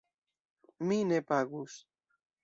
Mi ne pagus.